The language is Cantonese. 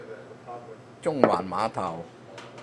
中環碼頭